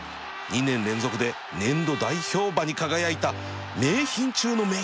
２年連続で年度代表馬に輝いた名品中の名品